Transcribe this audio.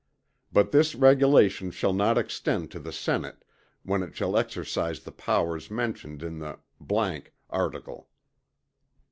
But this regulation shall not extend to the Senate, when it shall exercise the powers mentioned in the article.